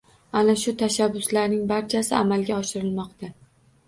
Ana shu tashabbuslarning barchasi amalga oshirilmoqda